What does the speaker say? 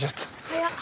早っ。